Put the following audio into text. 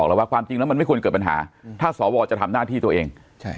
แล้วว่าความจริงแล้วมันไม่ควรเกิดปัญหาถ้าสวจะทำหน้าที่ตัวเองใช่